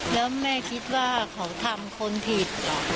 แล้วแม่คิดว่าเขาทำคนผิด